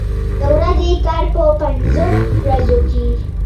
د ورځې کار په پنځو ورځو کوي.